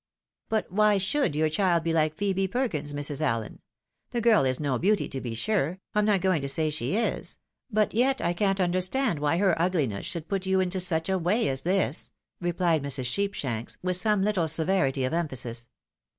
" But why should your child be like Phebe Perkins, Mrs. AUen ? The girl is no beauty, to be sure, Pm not going to say she is ; but yet I can't understand why her ughness should put you into such a way as this," replied Mrs. Sheepshanks, with some Uttle severity of emphasis.